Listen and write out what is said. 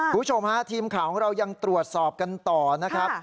คุณผู้ชมฮะทีมข่าวของเรายังตรวจสอบกันต่อนะครับ